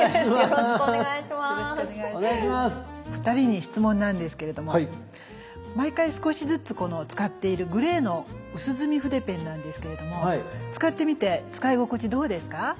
２人に質問なんですけれども毎回少しずつこの使っているグレーの薄墨筆ペンなんですけれども使ってみて使い心地どうですか？